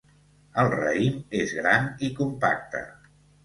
El raïm és gran i compacte.